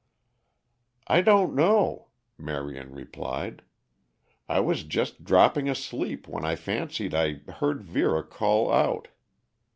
"I don't know," Marion replied. "I was just dropping asleep when I fancied I heard Vera call out.